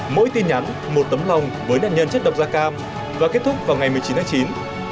mỗi tin nhắn một tấm lòng với nạn nhân chất độc da cam và kết thúc vào ngày một mươi chín tháng chín